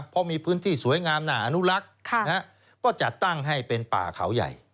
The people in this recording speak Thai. เพราะมีพื้นที่สวยงามน่าอนุรักษ์ก็จัดตั้งให้เป็นป่าเขาใหญ่